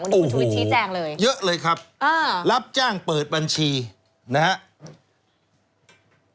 วันนี้คุณช่วยชี้แจ้งเลยเยอะเลยครับรับจ้างเปิดบัญชีนะฮะ